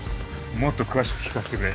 もっと詳しく聞かせてくれ。